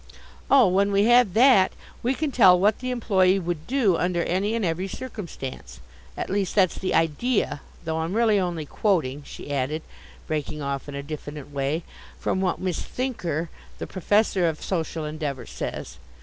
"Oh, when we have that we can tell what the employe would do under any and every circumstance. At least that's the idea though I'm really only quoting," she added, breaking off in a diffident way, "from what Miss Thinker, the professor of Social Endeavour, says.